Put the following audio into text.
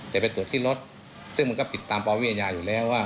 แต่ไปตรวจที่รถซึ่งมันก็ผิดตามปวิอาญาอยู่แล้วว่า